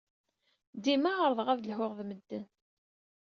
Dima ɛerrḍeɣ ad lhuɣ ed medden.